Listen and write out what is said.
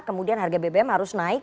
kemudian harga bbm harus naik